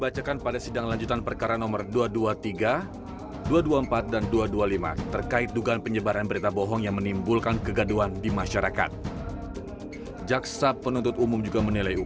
jaksa penuntut umum